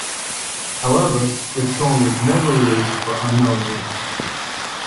However, the song was never released for unknown reasons.